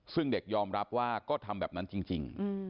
ซึ่งเด็กยอมรับว่าก็ทำแบบนั้นจริง